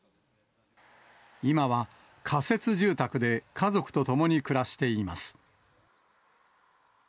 今は仮設住宅で家族と共に暮らしています。